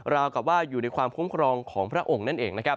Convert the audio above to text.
ราวกลับว่าอยู่ในความคุ้มครองของพระองค์นั่นเอง